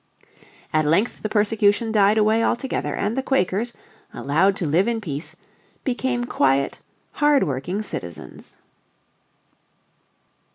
At length the persecution died away altogether and the Quakers, allowed to live in peace, became quiet, hard working citizens.